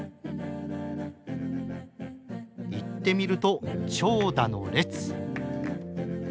行ってみると長蛇の列。